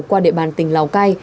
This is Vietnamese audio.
qua địa bàn tỉnh lào cai